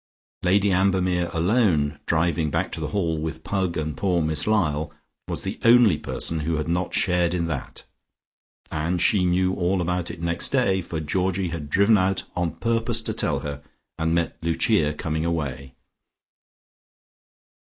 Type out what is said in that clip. Lady Ambermere alone, driving back to The Hall with Pug and poor Miss Lyall, was the only person who had not shared in that, and she knew all about it next day, for Georgie had driven out on purpose to tell her, and met Lucia coming away.